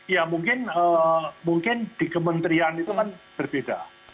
ya mungkin di kementerian itu kan berbeda